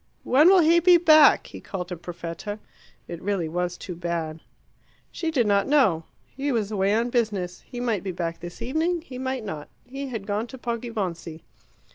"When will he be back?" he called to Perfetta. It really was too bad. She did not know. He was away on business. He might be back this evening, he might not. He had gone to Poggibonsi.